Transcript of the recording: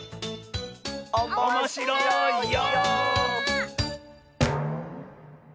おもしろいよ！